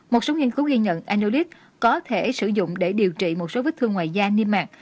một số nghiên cứu ghi nhận annodic có thể sử dụng để điều trị một số vết thương ngoài da niêm mạc